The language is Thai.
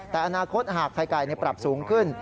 แต่อนาคตหากไข่ไก่ปรับสูงขึ้น